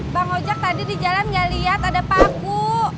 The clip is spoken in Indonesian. bang ojak tadi di jalan nggak lihat ada paku